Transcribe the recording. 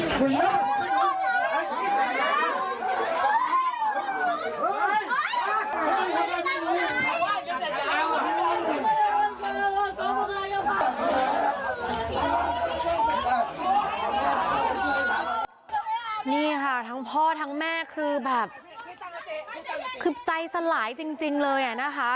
คือใจสลายจริงเลยอ่ะนะคะ